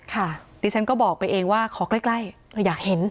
ดิฉันก็บอกไปเองว่าขอใกล้อยากเห็น